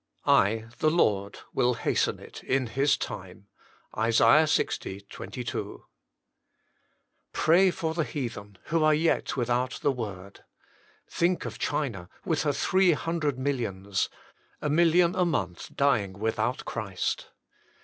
"I the Lord will hasten it in His tinn." ISA. Ix. 22. Pray for the heathen, who are yet without the word. Think of China, with her three hundred millions a million a month dying without Christ.